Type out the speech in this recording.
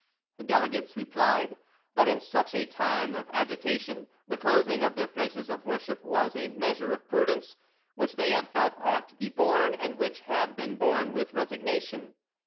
The delegates replied that in such a time of agitation the closing of their places of worship was, a measure of prudence which they had felt ought to be borne, and which had been borne, with resignation.